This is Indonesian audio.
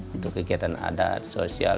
untuk kegiatan adat sosial